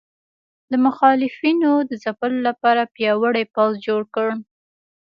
د مخالفینو د ځپلو لپاره پیاوړی پوځ جوړ کړ.